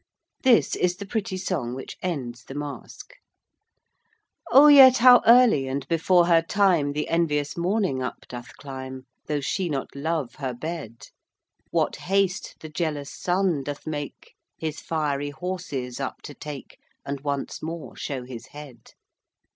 This is the pretty song which ends the Masque: O yet how early and before her time, The envious morning up doth climb, Though she not love her bed! What haste the jealous sun doth make His fiery horses up to take And once more show his head!